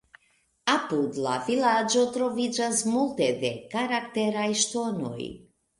Apud la vilaĝo troviĝas multe de karakteraj "ŝtonoj".